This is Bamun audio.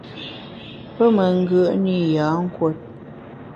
Pe me ngùe’ne i yâ nkùot.